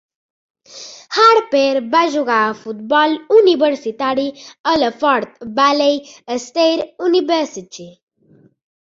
Harper va jugar a futbol universitari a la Fort Valley State University.